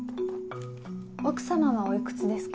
奥様はおいくつですか？